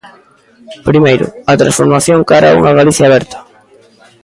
Primeiro, a transformación cara a unha Galicia aberta.